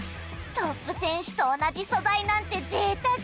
トップ選手と同じ素材なんて贅沢！